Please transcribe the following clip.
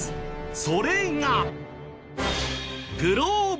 それが。